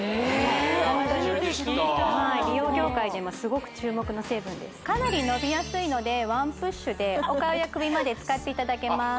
初めて知ったはい美容業界で今すごく注目の成分ですかなりのびやすいのでワンプッシュでお顔や首まで使っていただけます